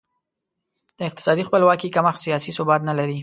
د اقتصادي خپلواکي کمښت سیاسي ثبات نه لري.